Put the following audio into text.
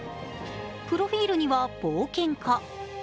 プロフィールには冒険家。